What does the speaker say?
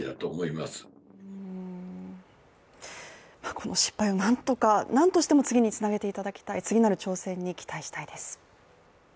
この失敗をなんとしても、次につなげていただきたい、次なる挑戦に期待したいです。